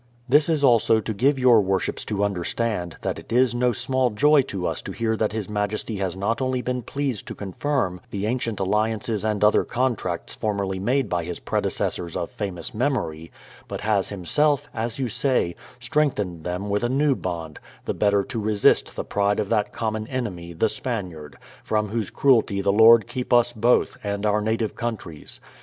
This is also to give your worships to understand, that it is no small joy to us to hear that his majesty has not only been pleased to confirm the ancient alliances and other contracts formerly made by his predecessors of famous memory, but has himself (as you say) strengthened them with a new bond, the better to resist the pride of that common enemy, the Spaniard, from whose cruelty the Lord keep us both, and our native countries.